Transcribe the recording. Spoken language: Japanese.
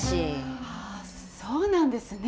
ああそうなんですね。